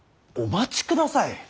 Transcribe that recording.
お待ちください。